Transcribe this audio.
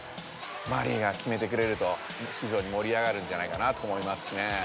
マリイがきめてくれるとひじょうにもりあがるんじゃないかなと思いますね。